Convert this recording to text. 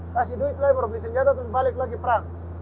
kasih duit lagi mau beli senjata terus balik lagi perang